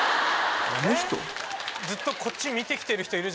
ずっとこっち見て来てる人。